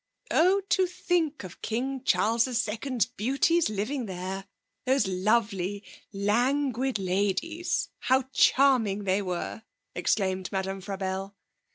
'Oh, to think of King Charles II's beauties living there those lovely, languid ladies how charming they were!' exclaimed Madame Frabelle.